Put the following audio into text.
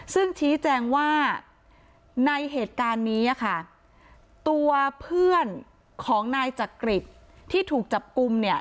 ซึ่งชี้แจงว่าในเหตุการณ์นี้ค่ะตัวเพื่อนของนายจักริตที่ถูกจับกลุ่มเนี่ย